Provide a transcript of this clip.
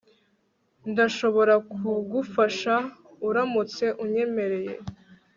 Ndashobora kugufasha uramutse unyemereye